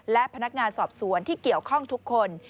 และพนักงานสอบสวนที่เกี่ยวข้องทุกคน